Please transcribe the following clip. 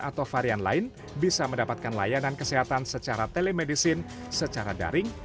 atau varian lain bisa mendapatkan layanan kesehatan secara telemedicine secara daring